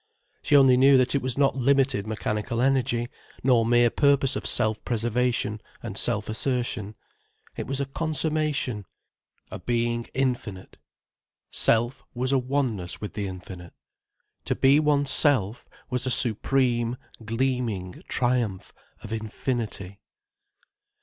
She only knew that it was not limited mechanical energy, nor mere purpose of self preservation and self assertion. It was a consummation, a being infinite. Self was a oneness with the infinite. To be oneself was a supreme, gleaming triumph of infinity.